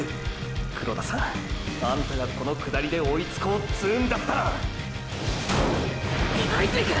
黒田さんあんたがこの下りで追いつこうつうんだったら今泉くん！！